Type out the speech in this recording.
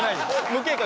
無計画？